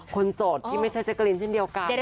คนโสดที่ไม่ใช่แจ๊กกะรีนที่เดียวกัน